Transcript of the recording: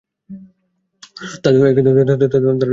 তার দুই ভাই ও এক বোন রয়েছে।